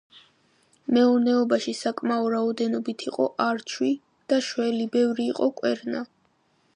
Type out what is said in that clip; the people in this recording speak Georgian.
მეურნეობაში საკმაო რაოდენობით იყო არჩვი და შველი, ბევრი იყო კვერნა.